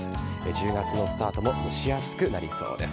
１０月のスタートも蒸し暑くなりそうです。